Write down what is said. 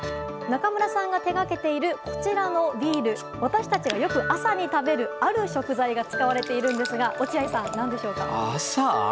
中村さんが手がけているこちらのビール私たちが、よく朝に食べるある食材が使われていますが落合さん、何でしょうか。